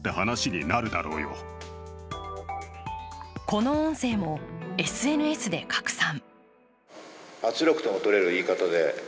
この音声もＳＮＳで拡散。